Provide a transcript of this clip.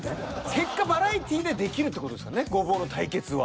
結果バラエティでできるって事ですからねゴボウの対決は。